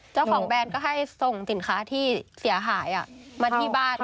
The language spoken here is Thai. เจ้าของแบรนด์ก็ให้ส่งสินค้าที่เสียหายมาที่บ้านเขา